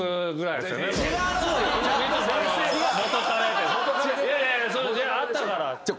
いやいやあったから。